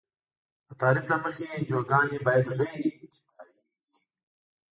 د تعریف له مخې انجوګانې باید غیر انتفاعي وي.